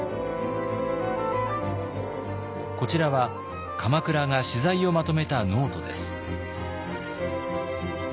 こちらは鎌倉が取材をまとめたノートです。